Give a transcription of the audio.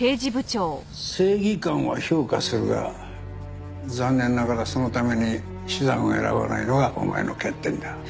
正義感は評価するが残念ながらそのために手段を選ばないのがお前の欠点だ。